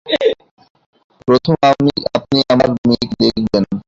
প্রথম আপনি আমার মেয়েকে দেখবেন।